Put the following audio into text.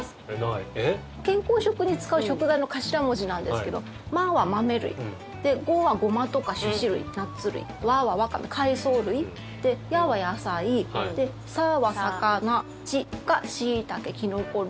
健康食に使う食材の頭文字なんですけど「ま」は豆類「ご」はゴマとか種子類、ナッツ類「わ」はワカメ、海藻類「や」は野菜「さ」は魚「し」がシイタケ、キノコ類。